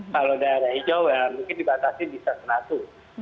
kalau daerah hijau mungkin dibatasi bisa satu